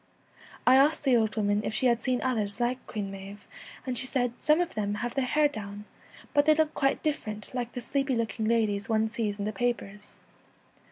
I asked the old woman if she had seen others like Queen Maive, and she said, ' Some of them have their hair down, but they look quite different, like the sleepy looking ladies one sees in the papers.